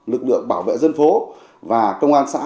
lực lượng bảo vệ dân phố và công an xã